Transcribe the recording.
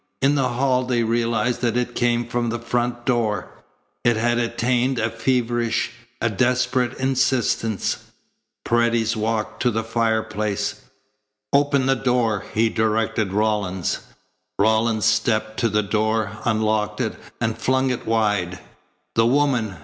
In the hall they realized that it came from the front door. It had attained a feverish, a desperate insistence. Paredes walked to the fireplace. "Open the door," he directed Rawlins. Rawlins stepped to the door, unlocked it, and flung it wide. "The woman!"